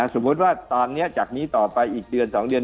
สมมุติว่าตอนนี้จากนี้ต่อไปอีกเดือน๒เดือน